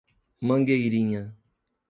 Mangueirinha